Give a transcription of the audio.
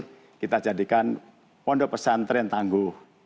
kita jadikan pondok pesantren tangguh